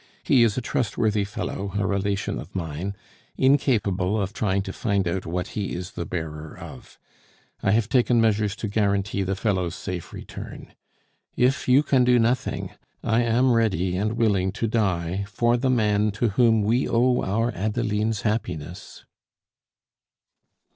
He is a trustworthy fellow, a relation of mine, incapable of trying to find out what he is the bearer of. I have taken measures to guarantee the fellow's safe return. If you can do nothing, I am ready and willing to die for the man to whom we owe our Adeline's happiness!"